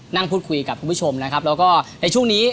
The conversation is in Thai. นั่งพูดคุยกับคุณผู้ชมนะครับแล้วก็ในช่วงนี้